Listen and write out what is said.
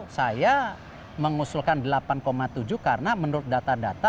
saya mengusulkan delapan tujuh karena menurut data data